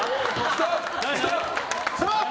ストップ！